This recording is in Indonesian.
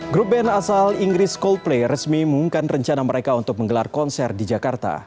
grup band asal inggris coldplay resmi mengumumkan rencana mereka untuk menggelar konser di jakarta